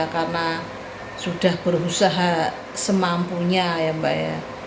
karena sudah berusaha semampunya ya mbak ya